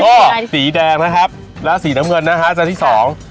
ก็สีแดงนะครับและสีดำเนินนะคะครับอาจารย์ที่สอง